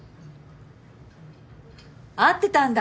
会ってたんだ！